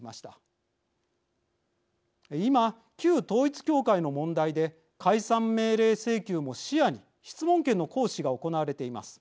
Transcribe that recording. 今旧統一教会の問題で解散命令請求も視野に質問権の行使が行われています。